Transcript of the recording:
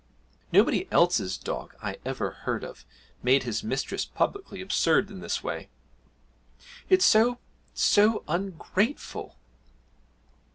Nobody else's dog I ever heard of made his mistress publicly absurd in this way. It's so so ungrateful!'